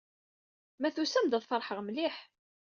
Ma tusamt-d, ad feṛḥeɣ mliḥ.